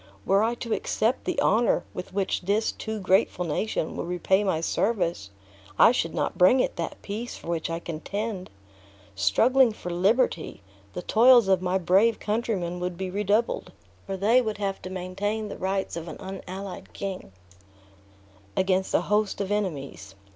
Were I to accept the honor with which this too grateful nation would repay my service, I should not bring it that peace for which I contend. Struggling for liberty, the toils of my brave countrymen would be redoubled; for they would have to maintain the tights of an unallied king against a host of enemies.